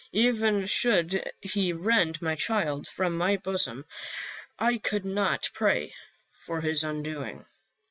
Even should he rend my child from my bosom I could not pray for his undoing.